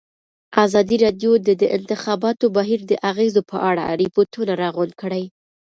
ازادي راډیو د د انتخاباتو بهیر د اغېزو په اړه ریپوټونه راغونډ کړي.